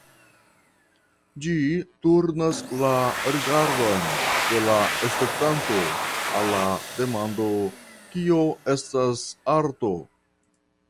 Ĝi turnas la rigardon de la spektanto al la demando "Kio estas arto?